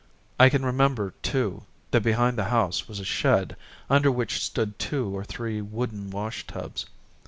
I can remember, too, that behind the house was a shed under which stood two or three wooden wash tubs.